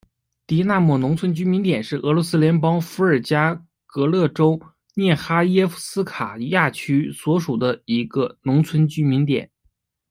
狄纳莫农村居民点是俄罗斯联邦伏尔加格勒州涅哈耶夫斯卡亚区所属的一个农村居民点。